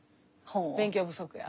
「勉強不足や」。